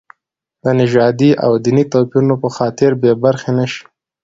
د نژادي او دیني توپیرونو په خاطر بې برخې نه شي.